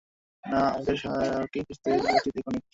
না, আমাদের সারাকে খুঁজতে যাওয়া উচিৎ, এক্ষুনি।